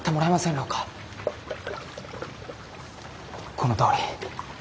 このとおり。